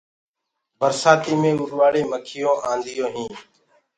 برسآتي مي اُڏوآݪ مکيونٚ آنيونٚ هينٚ۔